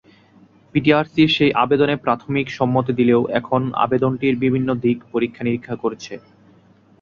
BTRC সেই আবদনে প্রাথমিক সম্মতি দিলেও এখন আবেদনটির বিভিন্ন দিক পরীক্ষা-নিরীক্ষা করছে।